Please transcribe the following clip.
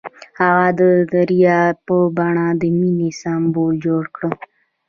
هغه د دریا په بڼه د مینې سمبول جوړ کړ.